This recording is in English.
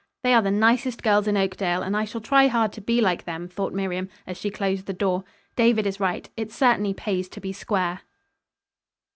"They are the nicest girls in Oakdale, and I shall try hard to be like them," thought Miriam, as she closed the door. "David is right. It certainly pays to be square."